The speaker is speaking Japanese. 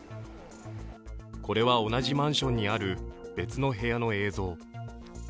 これは同じマンションにある別の部屋の映像。